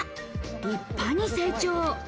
立派に成長。